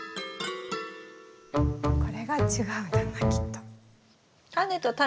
これが違うんだなきっと。